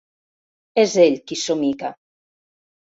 És ell qui somica.